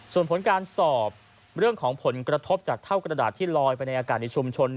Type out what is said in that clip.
ส่วนผลการสอบเรื่องของผลกระทบจากเท่ากระดาษที่ลอยไปในอากาศในชุมชน